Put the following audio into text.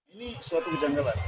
ini suatu kejanggalan